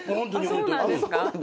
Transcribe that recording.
そうなんですか？